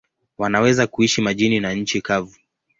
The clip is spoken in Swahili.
Wanaweza kuishi majini na nchi kavu.